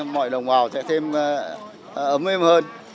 mọi đồng bào sẽ thêm ấm êm hơn